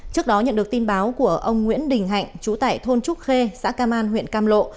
trước đó nhận được tin báo của ông nguyễn đình hạnh chú tại thôn trúc khê xã cam an huyện cam lộ